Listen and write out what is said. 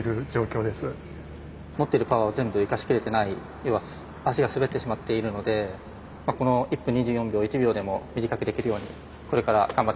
持ってるパワーを全部生かしきれてない要は脚が滑ってしまっているのでこの１分２４秒を１秒でも短くできるようにこれから頑張っていきたいと思います。